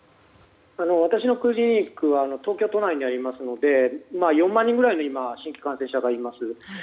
私のクリニックは東京都内にありますので４万人ぐらいの新規感染者数が今、います。